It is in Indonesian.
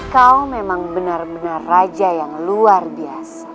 kau memang benar benar raja yang luar biasa